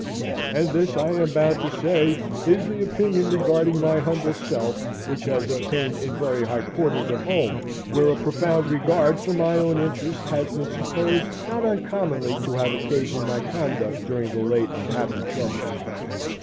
And this, I am bound to say, is the opinion regarding my humble self which has obtained in very high quarters at home, where a profound regard for my own interest has been supposed not uncommonly to have occasioned my conduct during the late unhappy troubles.